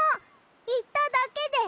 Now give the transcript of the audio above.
いっただけで？